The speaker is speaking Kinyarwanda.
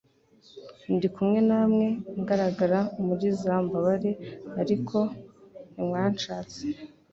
ndi kumwe namwe ngaragara muri za mbabare ariko ntimwanshatse.